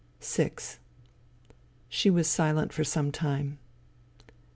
VI She was silent for some time.